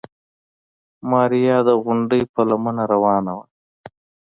ماريا د غونډۍ په لمنه روانه وه.